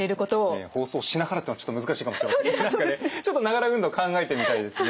放送しながらっていうのはちょっと難しいかもしれませんけど何かねながら運動考えてみたいですね。